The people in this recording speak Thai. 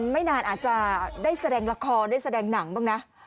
ไม่นานอาจจะได้แสดงละครได้แสดงหนังบ้างนะ